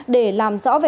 để làm rõ về hành vi